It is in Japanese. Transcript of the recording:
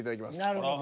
なるほど。